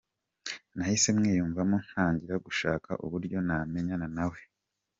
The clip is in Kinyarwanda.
Nahise mwiyumvamo ntangira gushaka uburyo namenyana na we.